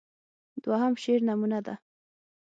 دوهم شعر نمونه ده.